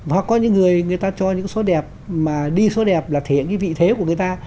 hoặc có những người người ta cho những số đẹp mà đi số đẹp là thể hiện cái vị thế của người ta